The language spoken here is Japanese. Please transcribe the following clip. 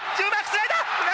つないだ！